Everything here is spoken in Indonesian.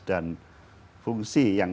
dan fungsi yang